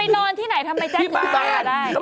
ไปนอนที่ไหนทำไมแจ้งตูมตา